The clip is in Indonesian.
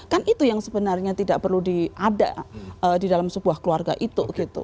kan itu yang sebenarnya tidak perlu di ada di dalam sebuah keluarga itu gitu